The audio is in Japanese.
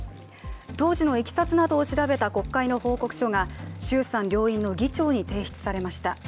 当時のいきさつなどを調べた国会の報告書が衆参両院の議長に提出されました。